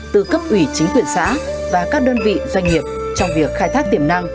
từ cấp ủy chính quyền xã và các đơn vị doanh nghiệp trong việc khai thác tiềm năng